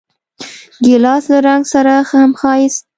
ګیلاس له رنګ سره هم ښایست لري.